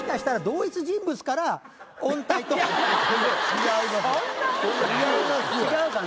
違うかな？